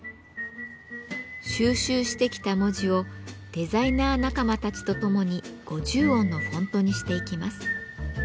収集してきた文字をデザイナー仲間たちと共に５０音のフォントにしていきます。